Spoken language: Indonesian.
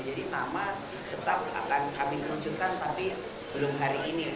jadi nama tetap akan kami keruncukan tapi belum hari ini